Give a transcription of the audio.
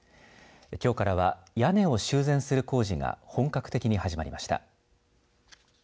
きょうからは屋根を修繕する工事が本格的に始まりました。